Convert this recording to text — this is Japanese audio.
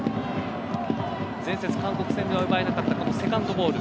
韓国戦では奪えなかったセカンドボール。